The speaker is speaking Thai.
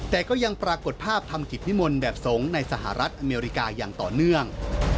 แต่ก็ยังปรากฏภาพทำกิจนิมนต์แบบสงฆ์ในสหรัฐอเมริกาอย่างต่อเนื่อง